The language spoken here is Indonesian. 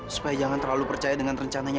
supaya jangan terlalu percaya dengan rencananya